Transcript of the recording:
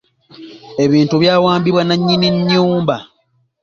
Ebintu bye byawambibwa nnannyini nnyumba.